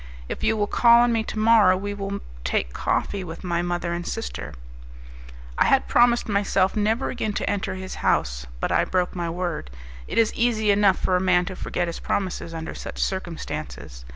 If you will call on me to morrow, we will take coffee with my mother and sister." I had promised myself never again to enter his house, but I broke my word. It is easy enough for a man to forget his promises under such circumstances.